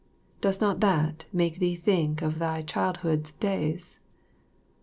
Does not that make thee think of thy childhood's days?